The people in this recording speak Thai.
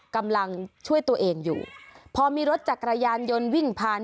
กำลังช่วยตัวเองอยู่พอมีรถจักรยานยนต์วิ่งผ่าน